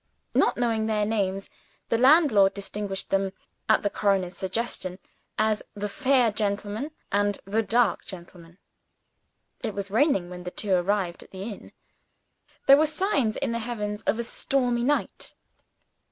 Not knowing their names, the landlord distinguished them, at the coroner's suggestion, as the fair gentleman, and the dark gentleman. It was raining when the two arrived at the inn. There were signs in the heavens of a stormy night.